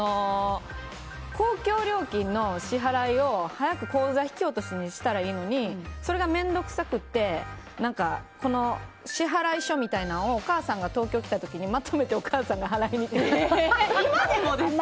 公共料金の支払いを早く口座引き落としにしたらいいのにそれが面倒くさくて支払書みたいなのをお母さんが東京に来た時にまとめて今でもですか？